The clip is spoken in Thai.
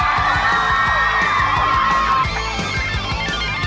ว่ายุ่งที่๑๓